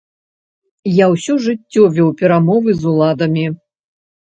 Я ўсё жыццё вёў перамовы з уладамі!